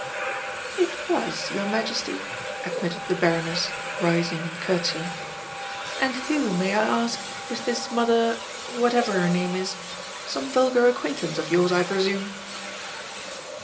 "It was, your Majesty," admitted the Baroness, rising and curtseying. "And who, may I ask, is this Mother whatever her name is? Some vulgar acquaintance of yours, I presume?"